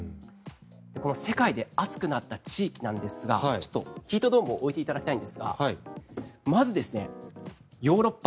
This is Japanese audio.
この世界で暑くなった地域なんですがヒートドームを置いていただきたいんですがまず、ヨーロッパ。